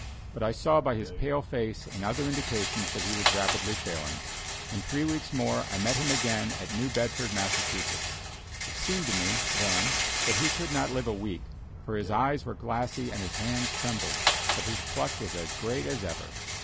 But I saw by his pale face and other indications that he was rapidly failing. In three weeks more, I met him again at New Bedford, Massachusetts. It seemed to me, then, that he could not live a week, for his eyes were glassy and his hands trembled, but his pluck was as great as ever.